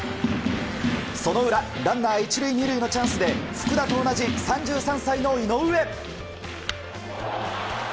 その裏、ランナー１塁２塁のチャンスで福田と同じ３３歳の井上。